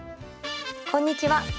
こんにちは。